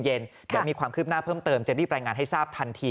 เดี๋ยวมีความคืบหน้าเพิ่มเติมจะรีบรายงานให้ทราบทันที